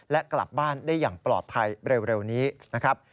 และกลับบ้านได้อย่างปลอดภัยเร็วนี้นะครับ